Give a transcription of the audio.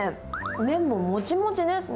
麺ももちもちですね。